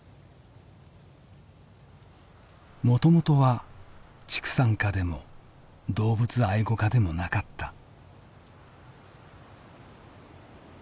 もともとは畜産家でも動物愛護家でもなかった。